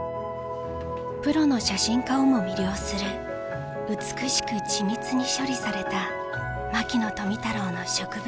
プロの写真家をも魅了する美しく緻密に処理された牧野富太郎の植物